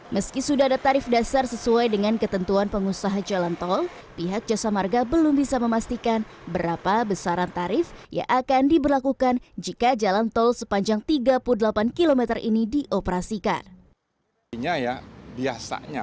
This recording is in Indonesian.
meski sudah ada tarif dasar sesuai dengan ketentuan pengusaha jalan tol pihak jasa marga belum bisa memastikan berapa besaran tarif yang akan diberlakukan jika jalan tol sepanjang tiga puluh delapan km ini dioperasikan